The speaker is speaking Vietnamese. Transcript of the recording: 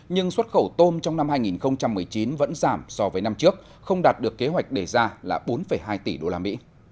nhưng xuất khẩu tôm trong năm hai nghìn một mươi chín vẫn giảm so với năm trước không đạt được kế hoạch đề ra là bốn hai tỷ usd